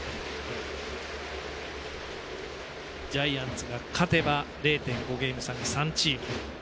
ジャイアンツが勝てば０．５ゲーム差で３チームが並ぶ。